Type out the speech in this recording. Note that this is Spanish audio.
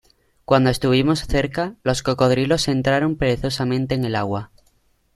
cuando estuvimos cerca, los cocodrilos entraron perezosamente en el agua.